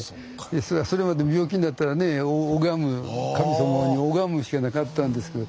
それまで病気になったらね拝む神様に拝むしかなかったんですけど。